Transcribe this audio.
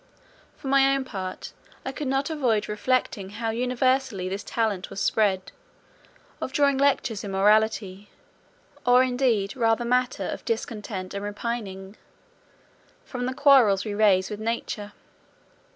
For my own part, I could not avoid reflecting how universally this talent was spread, of drawing lectures in morality, or indeed rather matter of discontent and repining, from the quarrels we raise with nature.